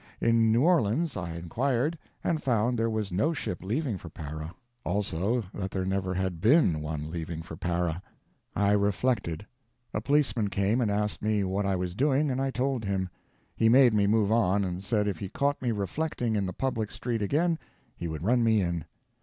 In New Orleans I inquired, and found there was no ship leaving for Para. Also, that there never had BEEN one leaving for Para. I reflected. A policeman came and asked me what I was doing, and I told him. He made me move on, and said if he caught me reflecting in the public street again he would run me in.